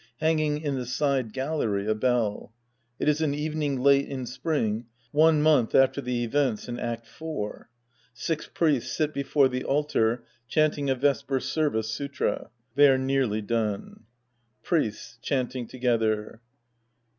Hanging in the side gallery, a bell. It is an evening late in spring one month after the events in Act IV. Six Priests sit before the altar chanting a vesper service sutra. They are nearly done!) Priests {chanting together).